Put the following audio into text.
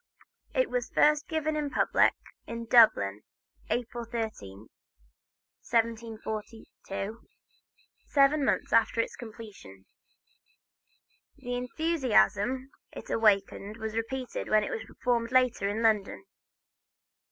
It was first given to the public, in Dublin, April 13, 1742, seven months after its completion. The enthusiasm it awakened was repeated when it was performed later in London.